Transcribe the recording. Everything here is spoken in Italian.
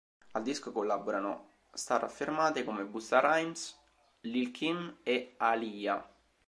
Al disco collaborano star affermate come Busta Rhymes, Lil Kim e Aaliyah.